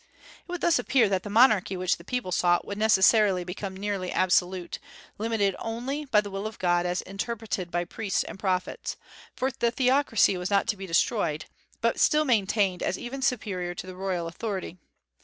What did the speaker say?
It would thus appear that the monarchy which the people sought would necessarily become nearly absolute, limited only by the will of God as interpreted by priests and prophets, for the theocracy was not to be destroyed, but still maintained as even superior to the royal authority.